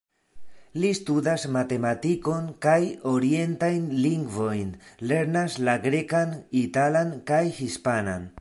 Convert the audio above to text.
Li studas matematikon kaj orientajn lingvojn, lernas la grekan, italan kaj hispanan.